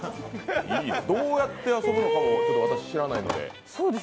どうやって遊ぶのかも私、知らないので。